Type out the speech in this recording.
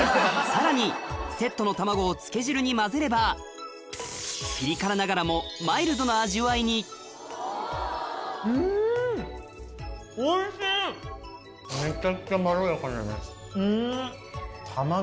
さらにセットの卵をつけ汁に混ぜればピリ辛ながらもマイルドな味わいにうんおいしい！